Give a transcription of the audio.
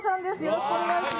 よろしくお願いします